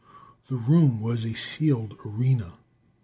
The room was a sealed arena.